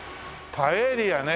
パエリアね！